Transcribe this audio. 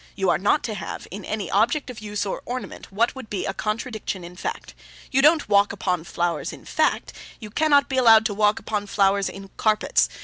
You are not to have, in any object of use or ornament, what would be a contradiction in fact. You don't walk upon flowers in fact; you cannot be allowed to walk upon flowers in carpets.